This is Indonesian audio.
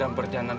apa itu mas